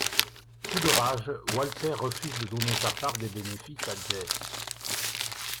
Fou de rage, Walter refuse de donner sa part des bénéfices à Jesse.